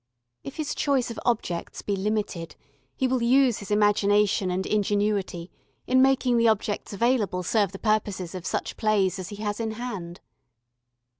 If his choice of objects be limited, he will use his imagination and ingenuity in making the objects available serve the purposes of such plays as he has in hand.